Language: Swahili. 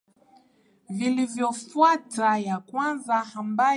vilivyofuata ya kwanza ambayo ilikuwa maporomoko ya